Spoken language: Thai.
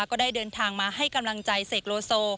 ก็ได้เดินทางมาให้กำลังใจเสกโลโซ